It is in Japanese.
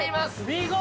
見事。